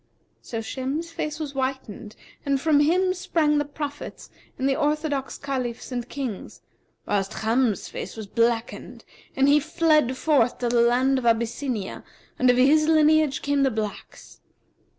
So Shem's face was whitened and from him sprang the prophets and the orthodox Caliphs and Kings; whilst Cham's face was blackened and he fled forth to the land of Abyssinia, and of his lineage came the blacks.